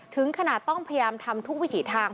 ถึงขนาดต้องพยายามทำทุกวิถีทาง